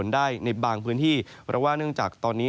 ในแต่ละพื้นที่เดี๋ยวเราไปดูกันนะครับ